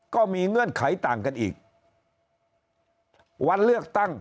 เงื่อนไขต่างกันอีกวันเลือกตั้ง